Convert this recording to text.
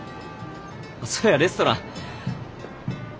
そうやレストラン。